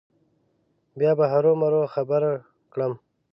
بیا به هرو مرو خبر کړم.